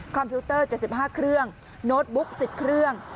พิวเตอร์๗๕เครื่องโน้ตบุ๊ก๑๐เครื่อง